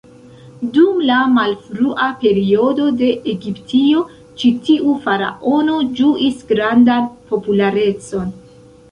Dum la malfrua periodo de Egiptio, ĉi tiu faraono ĝuis grandan popularecon.